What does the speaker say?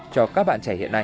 cho các bạn trẻ hiện nay